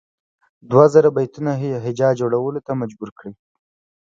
دوه زره بیتونو هجا جوړولو ته مجبور کړي.